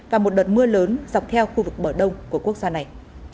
và một đợt mưa lớn dọc theo khu vực bờ đông của quốc gia này